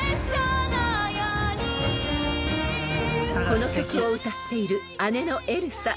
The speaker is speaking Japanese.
［この曲を歌っている姉のエルサ］